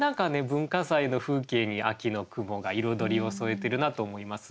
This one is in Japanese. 文化祭の風景に「秋の雲」が彩りを添えてるなと思います。